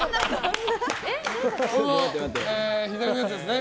左のやつですね。